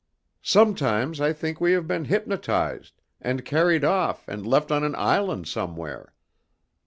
Sometimes I think we have been hypnotized and carried off and left on an island somewhere.